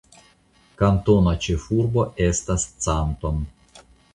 Kantona ĉefurbo estas Canton.